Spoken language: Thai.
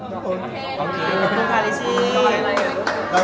ทุกคนขอบคุณค่ะ